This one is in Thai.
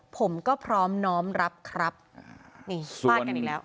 ผมก็พร้อมน้อมรับครับนี่ฟาดกันอีกแล้ว